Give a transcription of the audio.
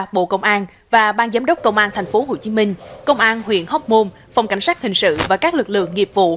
bộ công an và ban giám đốc công an tp hcm công an huyện hóc môn phòng cảnh sát hình sự và các lực lượng nghiệp vụ